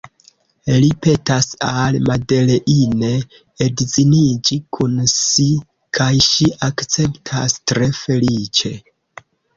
Li petas al Madeleine edziniĝi kun si, kaj ŝi akceptas tre feliĉe.